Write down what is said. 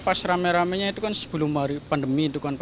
pas rame ramenya itu kan sebelum hari pandemi itu kan